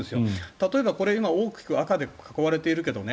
例えば、これ今、大きく赤で囲われているけどね